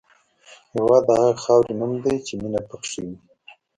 هېواد د هغې خاورې نوم دی چې مینه پکې وي.